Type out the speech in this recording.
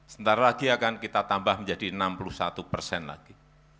sebentar lagi akan kita tambah menjadi enam puluh satu persen lagi